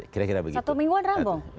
kira kira begitu satu mingguan rambang